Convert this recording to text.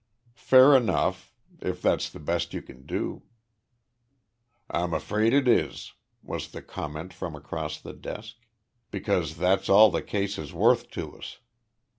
"Fair enough, if that's the best you can do." "I'm afraid it is," was the comment from across the desk, "because that's all the case is worth to us.